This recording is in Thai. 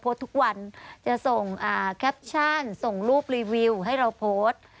ทุกวันจะส่งแคปชั่นส่งรูปรีวิวให้เราโพสต์